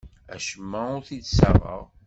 Acemma ur t-id-ssaɣeɣ.